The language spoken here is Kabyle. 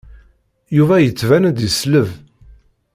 Yuba yettban-d yesleb.